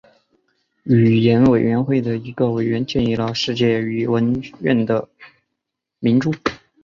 语言委员会的一个委员建议了世界语学院的名称。